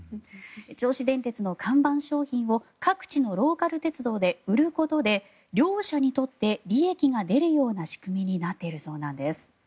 銚子電鉄の看板商品を各地のローカル鉄道で売ることで両社にとって利益が出るような仕組みになっているそうなんです。